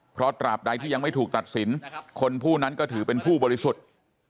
เพราะตราบใดที่ยังไม่ถูกตัดสินคนผู้นั้นก็ถือเป็นผู้บริสุทธิ์